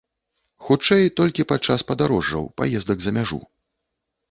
Хутчэй, толькі падчас падарожжаў, паездак за мяжу.